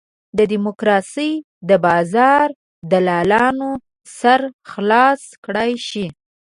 د ډیموکراسۍ د بازار دلالانو سر خلاص کړای شي.